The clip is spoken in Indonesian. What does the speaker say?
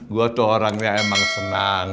gue tuh orangnya emang senang